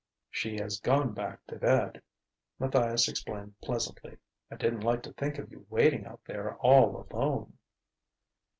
"She has gone back to bed," Matthias explained pleasantly. "I didn't like to think of you waiting out there, all alone."